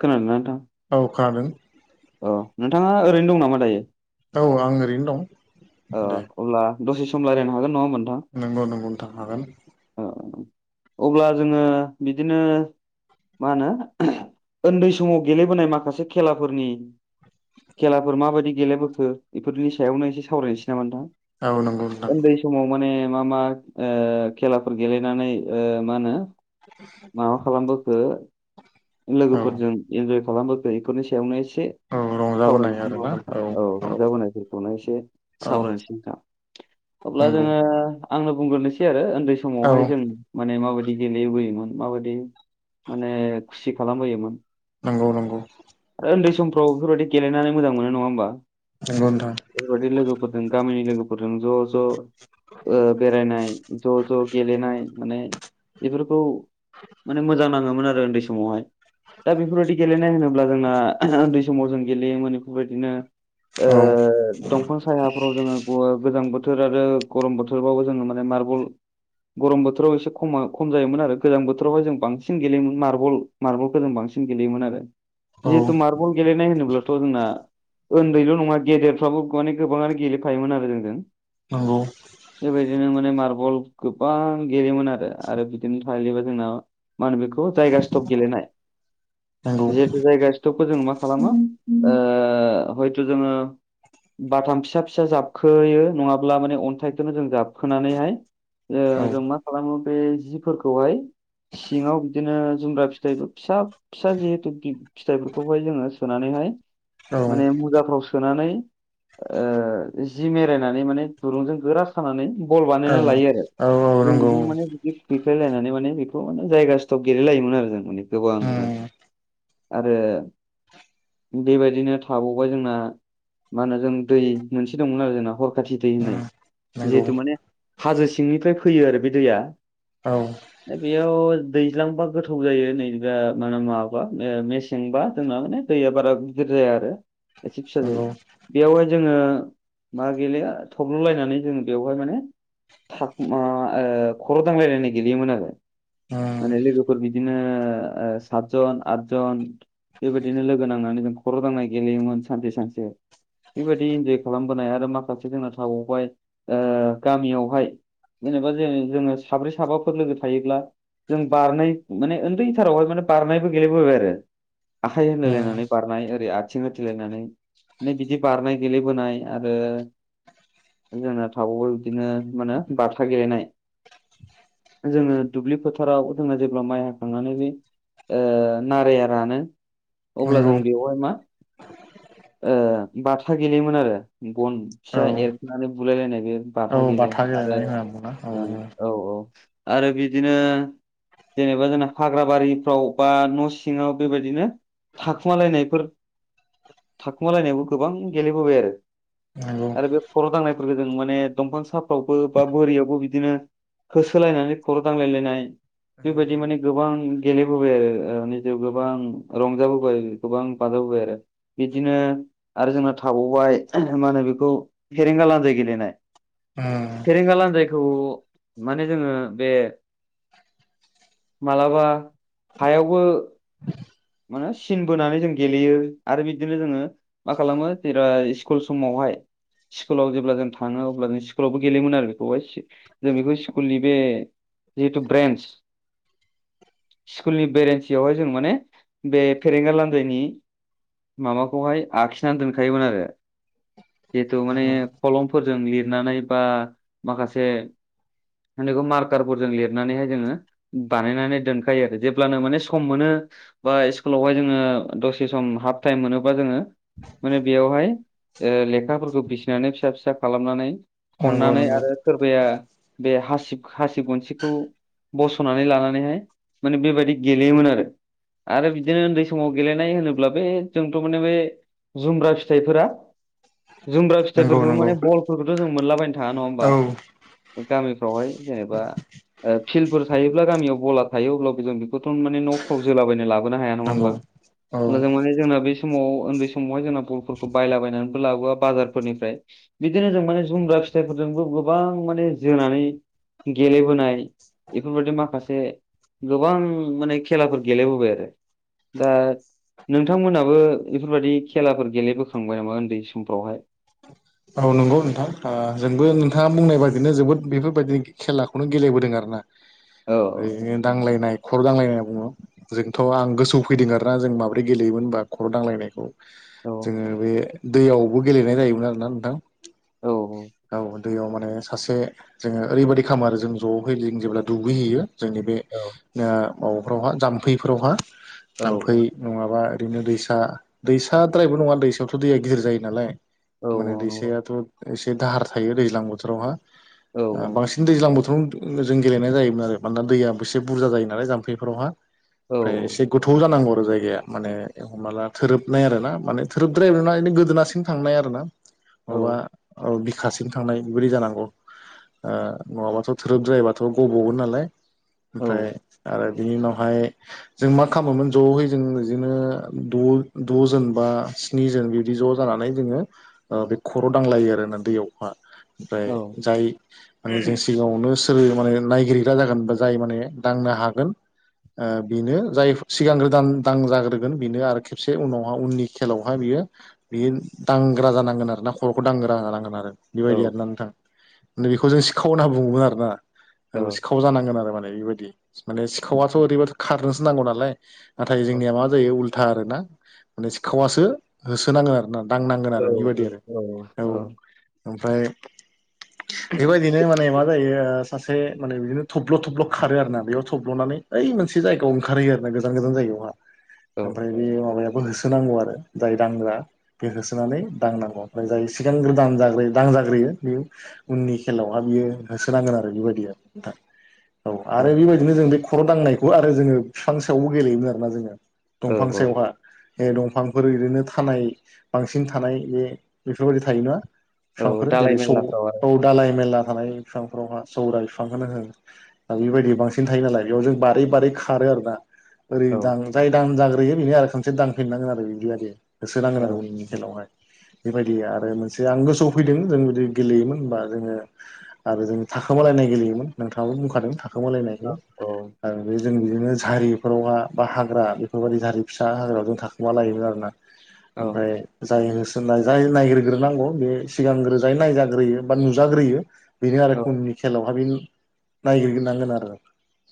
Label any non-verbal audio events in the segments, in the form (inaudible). खोनादों ना नोंथां? औ खोनादों। अ नोंथाङा ओरैनो दं नामा दायो? औ आं ओरैनो दं। ओ दे अब्ला दसे सम रायज्लायनो हागोन नङा होनबा नोंथां। नंगौ नंगौ नोंथां हागोन। ओ अब्ला जोङो बिदिनो मा होनो उन्दै समाव गेलेबोनाय माखासे खेलाफोरनि खेलाफोर मा बायदि गेलेबोखो बेफोरनि सायावनो एसे सावरायनोसै नामा नोंथां। औ नंगौ नोंथां। उन्दै समाव माने मा मा ओ खेलाफोर ओ गेलेनानै मा होनो (inaudible) माबा खालामबोखो औ लोगोफोरजों इन्जय खालामबोखो बेफोरनि सायावनो एसे औ रंजाबोनाय सावरायनायसै नङा आरोना होनबा। औ रंजाबोनाय औ सावरायनोसै नोंथां। अब्ला नंगौ जोङो आंनो बुंग्रोनोसै आरो उन्दै सम औ समावहाय जों माने मा बायदि गेलेबोयोमोन मा बायदि माने खुसि खालामबोयोमोन नंगौ नंगौ। आरो उन्दै समफ्राव बेफोरबायदि गेलेनानै मोजां मोनो नङा होमबा। नंगौ नोंथां। बे बायदि लोगोफोरजों गामिनि लोगोफोरजों ज' ज' बेरायनाय, ज' ज' गेलेनाय, माने बेफोरखौ माने मोजां नाङोमोन आरो उन्दै समावहाय दा बेफोरबायदि गेलेनाय होनोबा जोंना उन्दै समाव जों गेलेयोमोन बेफोरबादिनो औ दंफां सायाफोराव जोङो गोजां बोथोर आरो गरम बोथोरबावो जोङो माने मार्बल गरम बोथोराव एसे खम खम जायोमोन आरो। गोजां बोथोरावहाय जों बांसिन गेलेयोमोन मार्बल मार्बलखौ जों बांसिन गेलेयोमोन आरो। औ जिहेथु मार्बल गेलेनाय होनोब्लाथ' जोंना उन्दैल' नङा गेदेरफ्राबो माने गोबाङानो गेलेफायोमोन आरो जोंजों। नंगौ। बे बायदिनो माने मार्बल गोबां गेलेयोमोन आरो। आरो बिदिनो थाहैबाय जोंना मा होनो बेखौ जायगा स्टप गेलेनाय। नंगौ। जिहेथु जायगा स्टकखौ जोङो मा खालामो हयथ' जोङो बाथाम फिसा फिसा जाबखोयो नङाब्ला माने अन्थाइखौनो जों जाबखोनानैहाय औ जों मा खालामो बे जिफोरखौहाय सिङाव बिदिनो जुमब्रा फिथाइ फिसा फिसा जिहेथु बि फिथाइफोरखौहाय जोङो सोनानैहाय औ माने मुजाफ्राव सो- सोनानै जिनानै माने दुरुंजों गोरा खानानै बल औ बानायना लायो आरो। औ जों नंगौ बिदि माने उम बिफ्लायलायनानै माने बेखौ माने जायगा स्टप गेलायलायोमोन आरो जों माने गोबांनो (inaudible) आरो बेबायदिनो थाबावा जोंना मा होनो जों दै मोनसे दंमोन आरो जोंना हर खाथि दै उम होननाय। नंगौ जिहेतु माने हाजो सिंनिफ्राय फैयो आरो बे दैया औ। बेयाव दैज्लांबा गोथौ जायो नै दा माबाबा मेसेंबा जोंना माने दैया बारा गिदिर जाया आरो एसे फिसा नंगौ जायो। बेवहाय जोङो मा गैलेया थब्ल'लायनानै जोङो बेवहाय माने थ मा ओ खर' दांलायलायनाय गेलेयोमोन आरो। उम माने लोगोफोर बिदिनो ओ सातजन आदजन बेबायदिनो लोगो नांनानै जों खर' दांनाय गेलेयोमोन सानसे सानसे। बेबायदि इन्जय खालामबोनाय आरो माखासे जोंना थाबावबाय ओ गामियावहाय जेनेबा जे जोङो साब्रै साबाफोर लोगो थायोब्ला जों बारनाय माने उन्दैथारावहाय माने बारनायबो गेलेबोबाय आरो। आखाइ उम होलायलायनानै बारनाय ओरै आथिं होथेलायनानै (unintelligible) बिदि बारनाय गेलेबोनाय आरो जोंना थाबावो बिदिनो मा होनो बाथा गेलेनाय जोङो दुब्लि फोथाराव जोङो जेब्ला माइ हाखांनानै ओ नाराया रानो अब्ला नंगौ जों बेवहाय मा ओ बाथा गैेलेयोमोन आरो बन फिसा औ एरखोनानै बुलायलायनाय बे औ बाथा गेलेयोमोन आरो गेलेनाय होनना बुङोना औ ओं औ औ। आरो बिदिनो जेनेबा जोंना हाग्राबारिफ्राव बा न' सिङाव बेबायदिनो थाखुमालायनायफोर थाखुमालायनायबो गोबां गेलेबोबाय आरो। नंगौ आरो बे खर' दांनायफोरखौ जों माने दंफां साफ्रावबो बा बोरियावबो बिदिनो होसोलायनानै खर' दांलायलायनाय नंगौ बेबायदि नंगौ माने गोबां गेलेबोबाय आरो। ओ निजेआव गोबां रंजाबोबाय गोबां बाजाबोबाय आरो। बिदिनो आरो जोंना थाबावबाय मा होनो बेखौ फेरेंगा लानजाइ गेलेनाय उम फेरेंगा लान्जायखौ माने जोङो बे मालाबा हायावबो मानो सिन बोनानै जों गेलेयो आरो बिदिनो जोङो मा खालामो जेरा स्कुल समावहाय स्कुलाव जेब्ला जों थाङो अब्ला जों स्कुलावबो गेलेयोन आरो बेखौहाय। जों बेखौ स्कुलनि बे जिहेथु ब्रेन्स। स्कुलनि बेरेन्सियावहाय जों माने बे फेरेंगा लानजायनि माबाखौहाय आखिनानै दोनखायोमोन आरो। जिहेतु माने नंगौ खलमफोरजों लिरनानै बा माखासे माहोनो बेखौ मार्कारफोरजों लिरनानैहाय जोङो बानायनानै दोनखायो आरो जेब्लानो माने सम मोनो बा स्कुलावहाय जोङो दसे सम हाफ टाइम मोनोबा जोङो माने बेवहाय ओ लेखाफोरखौ फिसिनानै फिसा फिसा खालामनानै नंगौ खननानै नंगौ आरो सोरबाया बे हासिब हासिब गनसिखौ। बस'नानै लानानैहाय माने बेबायदि गेलेयोमोन आरो। आरो बिदिनो उन्दै समाव गेलेनाय होनोब्ला बे जोंथ' माने बे जुमब्रा फिथाइफोरा जुमब्रा नंगौ फिथाइफोरखौ नंगौ माने बलफोरखौथ' जों मोनलाबायनो थाङा नङा औ होमबा। गामिफ्रावहाय जेनेबा ओ फिल्डफोर थायोब्ला गामियाव बला थायो अब्लाबो जों बेखौथ' माने न'फ्राव जोलाबायना ला बोनो हाया नङा नंगौ होमबा। औ मोजां माने जोंना बे समाव उन्दै समावहाय जोंना बलफोरखौ बायलाबायनानैबो लाबोआ बाजारफोरनिफ्राय बिदिनो जों माने जुमब्रा फिथाइफोरजोंबो गोबां माने जोनानै गेलेबोनाय बेफोरबायदि माखासे गोबां माने खेलाफोर गेलेबोबाय आरो। दा नोंथांमोनाबो बेफोरबायदि खेलाफोर गेलेबोखांबाय नामा उन्दै समफ्रावहाय? औ नंगौ नोंथां ओ जोंबो नोंथाङा बुंनाय बादिनो जोबोद बेफोरबायदि खेलाखौनो गेलेबोदों आरो ना औ ओरैनो नांलायनाय खर' दांलायनाय होना बुङो जोंथ' आं गोसोआव फैदों आरोना जों माब्रै गेलेयोमोन होनबा खर' दांलायनायखौ औ जोङो बे दैयावबो गेलेनाय जायोमोन आरोना नोंथां औ औ दैयाव माने सासे जोङो ओरैबायदि खामो आरो जों ज'है जों जेब्ला दुगैहैयो जोंनि बे औ ओ माबाफोरावहा जाम्फैफोरावहा जाम्फै औ नङाबा ओरैनो दैसा दैसाद्रायबो नङा दैसायावथ' दैया गिदिर जायो नालाय औ माने औ नंगौ दैसायाथ' एसे दाहार थायो दैज्लां औ बोथोरावहा बांसिन दैज्लां बोथोराव जों गेलेनाय जायोमोन आरो मानोना दैआ एसे बुरजा जायो नालाय जाम्फैफोरावहा औ ओमफ्राय एसे गोथौ जानांगौ आरो जायगाया माने हम नाला थोरोबनाय आरो ना माने थोरोबद्राया गोदोनासिम थांनाय आरो ना। औ माबा औ बिख खासिम थांनाय बेबायदि जानांगौ ओ नङाबाथ' थोरोबद्रायबाथ' गबगोन नालाय। औ ओमफ्राय आरो बिनि उनावहाय जों मा खालामोमोन ज'है जों बिदिनो द' द'जोनबा स्नि स्नि जोन बिदि ज' जानानै जोङो ओ बे खर' दांलायो आरोना दैयावहा ओमफ्राय औ जाय मान जों सिगाङावनो सोर माने नायगिरिग्रा जागोनबा जाय माने दांनो हागोन ओ बेनो जाय सिगांग्रो दान दांजाग्रोगोन बेनो आरो खेबसे उनावहा उननि खेलावहााय बियो बेयो दांग्रा जानांगोन आरो ना। खर'खौ दांगो राङा नांगोन आरो बेबायदि आरोना औ नोंथां बेखौ जों सिखाव होननना बुङोमोन आरोना। औ सिखाव जानांगोन आरो माने बेबायदि माने सिखावथ' ओरैबाथ' खारनोसो नांगौ नालाय नाथाय जोंनिया मा जायो उल्था आरो ना माने सिखावासो होसोनाङो आरोना। दांनांगोन आरो बेबायदि आरो। औ औ ओमफ्राय बेबायदिनो माने मा सासे माने बिदिनो थब्ल' थब्ल' खारो आरो ना बेयाव थब्ल'नानै ओइ मोन थि जायगायाव ओंखारहैयो आरो ना गोजान गोजान जायगायाव नङा। (inaudible) ओमफ्राय बे माबायाबो होसोनांगौ आरो जाय दांग्रा बे होसोनानै दांनांगौ। जाय सिगांग्रो दांजाग्रोयो दांजाग्रोयो बे उननि खेलावहा बियो होसोनांगोन आरो बेबायदिया नोंथां। औ आरो बेबायदिनो जों बे खर' दांनायखौ आरो जोङो बिफां सायावबो गेलेयोमोन आरोना जोङो। औ दंफां औ सायावहा बे दंफांफोर ओरैनो थानाय बांसिन थानाय बे बेफोरबायदि थायो ना औ बिफांफोर दालाय जेरै स मेरलाफ्राव दालाय मेरला थानाय बिफांफोरावहा सौरा बिफांखौनो हो दा बेबायदि बांसिन थायो नालाय जों बारै बारै खारो आरो ना ओरै आरो दां जाय दां जाग्रोयो बेनो आरो खामसे दांफिनांगोन आरो बिब्दाबादि औ होसोनांगोन आरो उननि खेलावहाय। बेबायदि आरो मोनसे आं गोसोआव फैदों जों जुदि गेलेयोमोनबा जोङो आरो जों थाखोमालायनाय गेलेयोमोन नोंथाङाबो बुंखादों औ थाखोमालायनायखौ औ आरो बे जों बिदिनो जारिफोरावहा बा हाग्रा बेफोरबायदि जारि फिसा हाग्रायाव जों थाखोमा लायोमोन आरोना। औ ओमफ्राय जाय होसोनाय जाय नायग्रोग्रोनांगौ बे सिगांग्रो जाय नायजाग्रोयो बा नुजाग्रोयो बेनो आरो औ उननि खेलायावहा बे नायगिरनांगोन आरो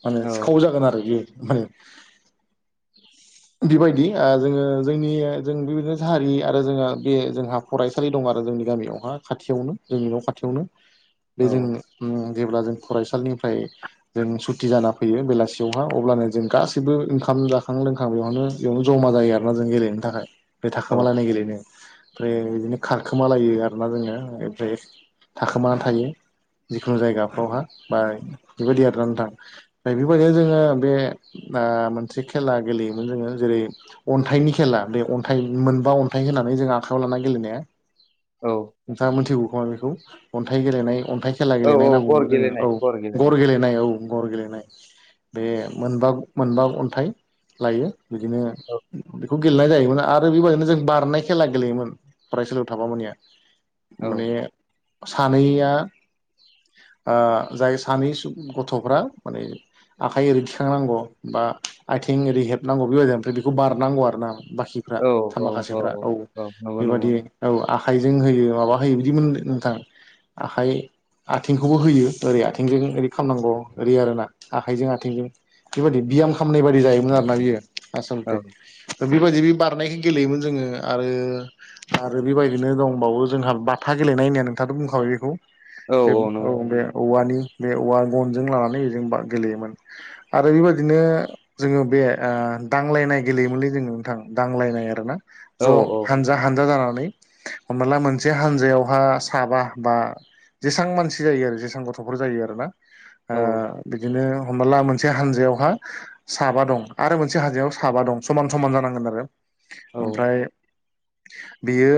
माने सिखाव जागोन आरो बेयो माने (inaudible) बेबायदि ओ जोङो जोंनि जों बेबायदिनो हारि आरो जोङो बे जोंहा फरायसालि दं आरो जोंनि गामियावहा खाथियावनो जोंनि न' खाथियावनो। बे जों जेब्ला जों फरायसालिनिफ्राय जों सुति जाना फैयो बेलासियावहा अब्लानो जों गासैबो ओंखाम जाखां लोंखां बेवयावनो बेयावनो जमा जायो आरोना जों गेलेनो थाखाय बे औ थाखोमालायनाय गेलेनो। ओमफ्राय बिदिनो खारखोमालायो आरोना जोङो ओमफ्राय थाखोमानानै थायो। जिखुनु जायगाफ्रावहा बा बेबायदि आरानो थां ओम बेबायदिनो जोङो बे मोनसे खेला गेलेयोमोन जोङो जेरै अन्थाइनि खेला बे अन्थाइ मोनबा अन्थाइ होननानै जों आखाइायाव लाना गेलेनाया। औ। नोंथाङा मिथिगौ खोमा बेखौ अन्थाइ गेलेनाय अन्थाइ खेला गेलेनाय औ गर नांगौमोन जोङो गेलेनाय औ गर गेलेनाय औ। गर गेलेनाय बे मोनबा मोनबा अन्थाइ लायो। बिदिनो औ बेखौ गेलेनाय जायोमोन आरो बेबायदिनो जों बारनाय खेला गेलेयोमोन फरायसालियाव थाबा मोनया औ माने सानैया आ जाय सानै गथ'फ्रा माने आखाइ ओरै थिखांनांगौ बा आथिं ओरै हेबनांगौ बेबायदि फ्राय बेखौ बारनांगौ आर ना बाखि। औ औ माखासेफ्रा औ। नंगौ नंगौ बेबादि औ आखाइजों होयो माबा होयो बिदिमोन नोंथां। आखाइ आथिंखौबो होयो ओरै आथिंजों ओरै खालामनांगौ ओरै आर ना आखाइजों आथिंजों। बेबायदि बियाम खालामामनाय बादि जायोमोन आरो ना बियो। औ आसलथे बेबायदि बे बारनायखौ गेलेयोमोन जोङो आरो आरो बेबायदिनो दंबावो जोंहा बाथा गेलेनाय होननाया नोंथांआथ' बुंखाबाय बेखौ। औ बे औ नंगौ बे औवानि बे औवा गनजों लानानै बेजों गेलेयोमोन। आरो बेबायदिनो जोङो बे दांलायनाय गेलेयोमोनलै जोङो नोंथां। दांलायनाय आरोना औ ज' हानजा जानानै हना ला मोनसे हानजायावहा साबा बा जेसबां मानसि जायो आरो जेसां गथ'फोर जायो आरो ना औ बिदिनो हमला मोनसे हानजायावहा साबा दं आरो मोनसे हाजोआव साबा दं समान समान जानांगोन आरो ओमफ्राय बियो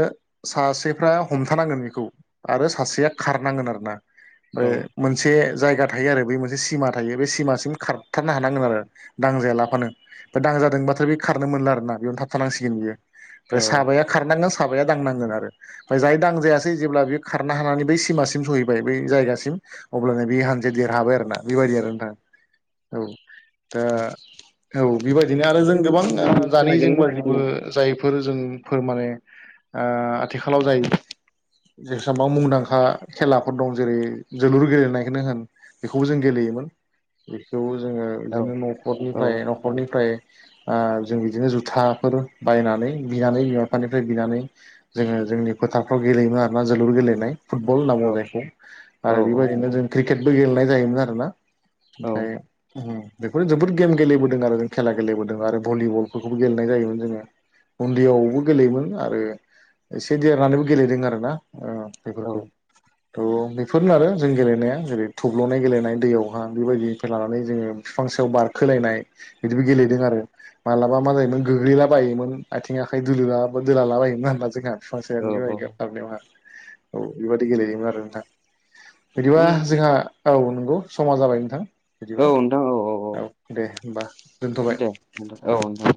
सासेफ्रा हमथानांगोन बेखौ आरो सासेया खारनांगोन आरोना औ ओफ्राय मोनसे जायगा थायो आरो बै मोनसे सिमा थायो बे सिमासिम खारथारनो हानांगोन आरो दांजाया लाफानो बे दांजादोंबाथ' बे खारनो मोनला आरोना बेयावनो थाबथानांसिगोन बियो ओमफ्राय औ साबाया खारनांगोन साबाया दांनांगोन आरो ओमफ्राय जाय दांजायासै जेब्ला बेयो खारनो हानानै बै सिमासिम सहैबाय बै जायगासिम अब्लानो बे हानजाया देरहाबाय आरोना बेबायदि आरो नोंथाङा औ दा औ बेबायदिनो आरो जों उन्दै गोबां समनि खेला दानि जों गेलेनायफोरखौ (unintelligible) जायफोर जों फोर माने आथिखालाव जायो जेसेबां मुंदांखा खेलाफोर दं जेरै जोलुर गेलेनायखौनो होन बेखौबो जों गेलेयोमोन बेखौ जोङो बिदिनो न' औ नखरनिफ्राय न'खरनिफ्राय जों बिदिनो जुथाफोर बायनानै बिनानै बिमा बिफानिफ्राय बिनानै जोङो जोंनि फोथारफ्राव गेलेयोमोन आरोोना जोलुर गेलेनाय फुटबल होनना बुंङो औ जायखौ औ आरो बेबायदिनो जों क्रिकेटबो गेलेनाय जायोमोन आरोना औ औ ओमफ्राय बेखौनो जोबोद गेम गेलेबोदों आरो जों खेला गेलेबोदों आरो भलिबलफोरखौबो गेलेनाय जायोमोन जोङो उन्दैयाव गेलेयोमोन आरो एसे देरनानैबो गेलेदों आरोना औ बेफोरखौ थ' बेफोरनो आरो जों गेलेनाया जेरै थब्ल'नाय गेलेनाय दैयावहा बेबायदिनिफ्राय लानानै जोङो बिफां सायाव बारखोलायनाय बिदिबो गेलेदों आरो मालाबा मा जायोमोन गोग्लैलाबायायोमोन आथिं आखाइ दुलुला दोलो ला लाबायायोन जोंहा बिफां औ औ सायाव (unintelligible) औ बेबादि गेलेयोमोन आरो नोंथहा बिदिबा उम जोंहा औ नंगौ समा जाबाय नोंथां औ बिदिबा नोंथां औ औ दे होनोमबा दोनथ'बाय दे नोंथां नोंथां औ